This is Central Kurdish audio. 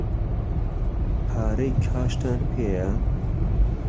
پارەی کاشتان پێیە؟